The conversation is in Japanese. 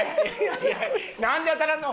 なんで当たらんの？